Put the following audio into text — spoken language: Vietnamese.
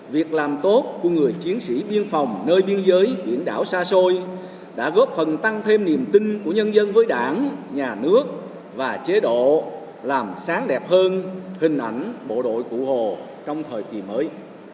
việc làm tốt của người chiến sĩ biên phòng nơi biên giới biển đảo xa xôi đã góp phần tăng thêm niềm tin của nhân dân với đảng nhà nước và chế độ làm sáng đẹp hơn hình ảnh bộ đội cụ hồ trong thời kỳ mới